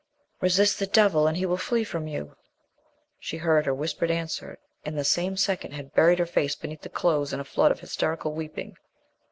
"Resist the devil and he will flee from you," she heard her whispered answer, and the same second had buried her face beneath the clothes in a flood of hysterical weeping.